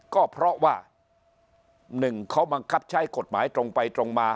ก็เพราะว่าหนึ่งเขาบังคับใช้กฎหมายตรงไปตรงมา